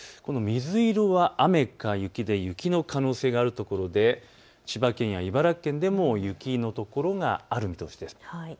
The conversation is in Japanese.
水色は雨か雪で、雪の可能性があるところで千葉県や茨城県でも雪の所がある見通しです。